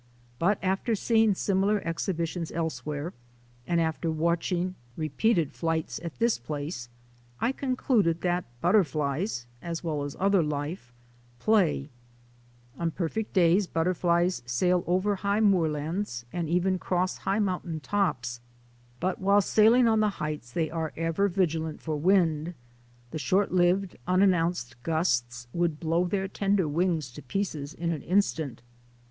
But after seeing similar exhibitions elsewhere, and after watching repeated flights at this place, I con cluded that butterflies, as well as other life, play. PLAY AND PRANKS OF WILD FOLK 211 On perfect days butterflies sail over high moor lands and even cross high mountain tops. But while sailing on the heights they are ever vigilant for wind. The short lived, unannounced gusts would blow their tender wings to pieces in an instant.